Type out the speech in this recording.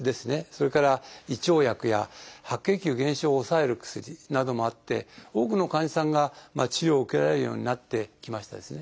それから胃腸薬や白血球減少を抑える薬などもあって多くの患者さんが治療を受けられるようになってきましたですね。